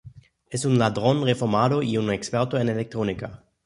Es un ladrón reformado y un experto en electrónica.